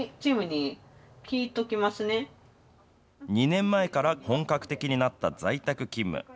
２年前から本格的になった在宅勤務。